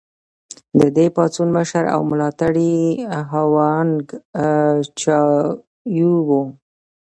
د دې پاڅون مشر او ملاتړی هوانګ چائو و.